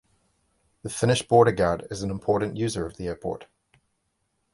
The Finnish Border Guard is an important user of the Airport.